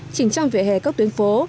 chỉnh trang vỉa hè các tuyến phố